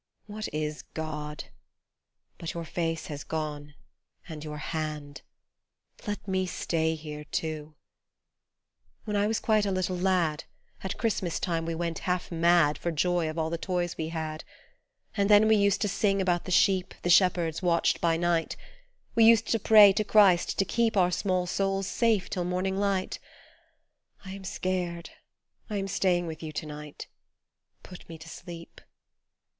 What is God ? but your face has gone and your hand ! Let me stay here too. When I was quite a little lad At Christmas time we went half mad For joy of all the toys we had, And then we used to sing about the sheep The shepherds watched by night ; We used to pray to Christ to keep Our small souls safe till morning light ; I am scared, I am staying with you to night Put me to sleep.